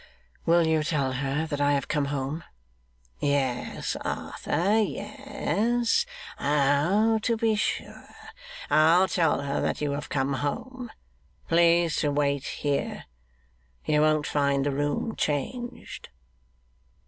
'Will you tell her that I have come home?' 'Yes, Arthur, yes. Oh, to be sure! I'll tell her that you have come home. Please to wait here. You won't find the room changed.